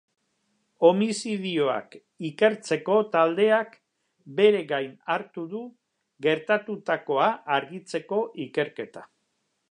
Homizidioak ikertzeko taldeak bere gain hartu du gertatutakoa argitzeko ikerketa.